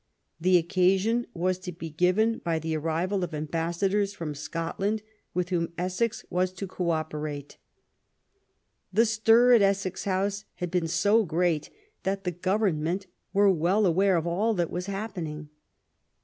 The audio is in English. The occasion was to be given by the arrival of ambas sadors from Scotland, with whom Essex was to co operate. The stir at Essex House had been so great that the Government were well aware of all that was happening.